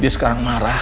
dia sekarang marah